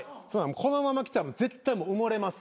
このまま来たら絶対埋もれます。